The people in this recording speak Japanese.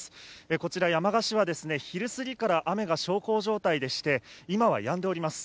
こちら、山鹿市は昼過ぎから雨が小康状態でして、今はやんでおります。